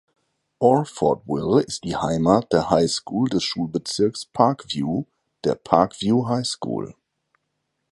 Orfordville ist die Heimat der High School des Schulbezirks Parkview, der Parkview High School.